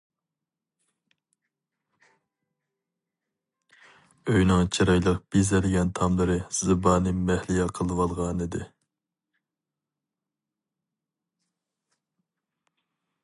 ئۆينىڭ چىرايلىق بېزەلگەن تاملىرى زىبانى مەھلىيا قىلىۋالغانىدى.